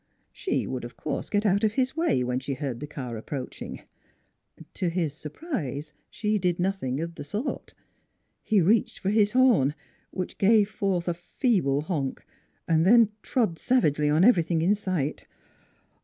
She would, of course, get out of his way when she heard the car ap proaching. To his surprise she did nothing of the sort. He reached for his horn, which gave forth a feeble honk; then trod savagely on every thing in sight.